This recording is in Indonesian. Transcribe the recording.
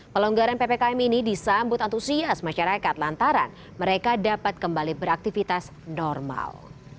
pelonggaran ppkm ini disambut antusias masyarakat lantaran mereka dapat kembali beraktivitas normal